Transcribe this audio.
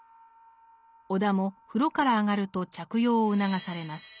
尾田も風呂から上がると着用を促されます。